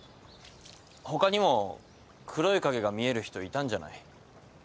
他にも黒い影が見える人いたんじゃない？